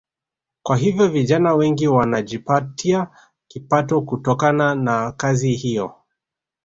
Kwa hiyo vijana wengi wanajipatia kipato kutokana na kazi hiyo